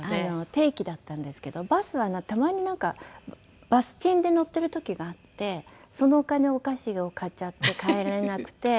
定期だったんですけどバスはたまになんかバス賃で乗ってる時があってそのお金お菓子を買っちゃって帰れなくて。